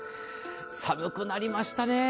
寒くなりましたね。